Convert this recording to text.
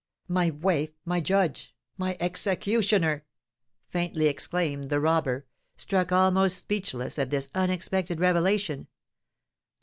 My wife! my judge! my executioner!" faintly exclaimed the robber, struck almost speechless at this unexpected revelation.